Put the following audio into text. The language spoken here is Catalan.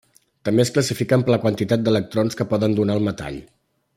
També es classifiquen per la quantitat d'electrons que poden donar al metall.